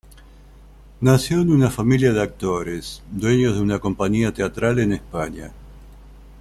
Nació en una familia de actores, dueños de una compañía teatral en España.